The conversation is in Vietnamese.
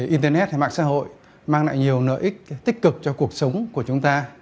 internet hay mạng xã hội mang lại nhiều nợ ích tích cực cho cuộc sống của chúng ta